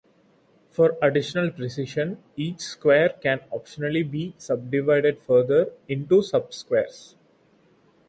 For additional precision, each square can optionally be sub-divided further, into "subsquares".